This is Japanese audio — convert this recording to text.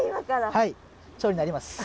はい蝶になります。